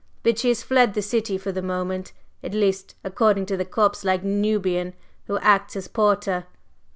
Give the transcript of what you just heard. But she has fled the city for the moment at least, according to the corpse like Nubian who acts as porter."